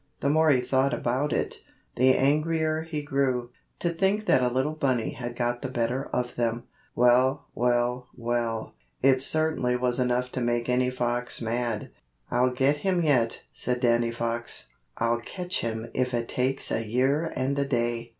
The more he thought about it, the angrier he grew. To think that a little bunny had got the better of them! Well, well, well! It certainly was enough to make any fox mad. "I'll get him yet," said Danny Fox. "I'll catch him if it takes a year and a day!"